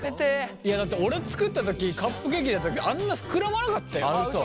いやだって俺作った時カップケーキだったけどあんな膨らまなかったよ。